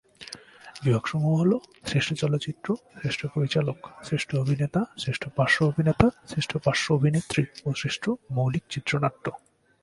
বিভাগসমূহ হল শ্রেষ্ঠ চলচ্চিত্র, শ্রেষ্ঠ পরিচালক, শ্রেষ্ঠ অভিনেতা, শ্রেষ্ঠ পার্শ্ব অভিনেতা, শ্রেষ্ঠ পার্শ্ব অভিনেত্রী, ও শ্রেষ্ঠ মৌলিক চিত্রনাট্য।